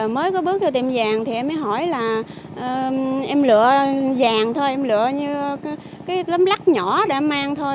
nói chung là em lựa cái lấm lắc nhỏ để em mang thôi